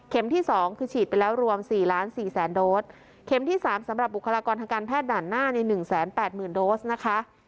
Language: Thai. ที่สองคือฉีดไปแล้วรวม๔ล้านสี่แสนโดสเข็มที่๓สำหรับบุคลากรทางการแพทย์ด่านหน้าใน๑๘๐๐๐โดสนะคะ